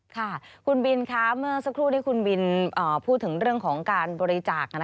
ค่ะคุณบินค่ะเมื่อสักครู่ที่คุณบินพูดถึงเรื่องของการบริจาค